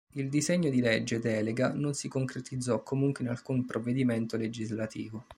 Il disegno di legge delega non si concretizzò comunque in alcun provvedimento legislativo.